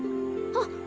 あっ！